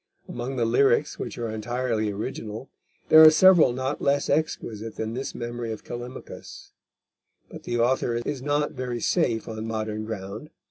Among the lyrics which are entirely original, there are several not less exquisite than this memory of Callimachus. But the author is not very safe on modern ground.